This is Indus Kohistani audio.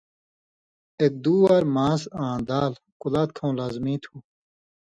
اک دُو وار ماس آں دال، کُلات کھؤں لازمی تُھو۔